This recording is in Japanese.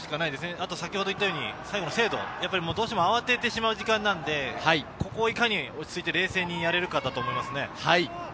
あと最後の精度、どうしても慌ててしまう時間なので、ここをいかに落ち着いて冷静にやれるかということだと思います。